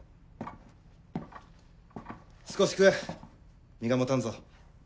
少し食え身が持たんぞ